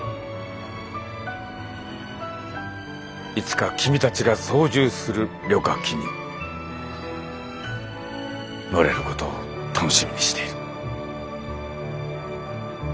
いつか君たちが操縦する旅客機に乗れることを楽しみにしている。